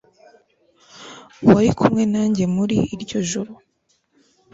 wari kumwe nanjye muri iryo joro